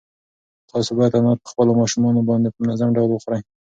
تاسو باید انار په خپلو ماشومانو باندې په منظم ډول وخورئ.